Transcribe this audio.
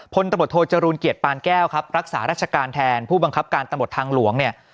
พลตำรวจโทจรูลเกียรติปานแก้วครับรักษาราชการแทนผู้บังคับการตำรวจทางหลวงเนี่ย